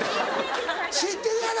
知ってるやろ！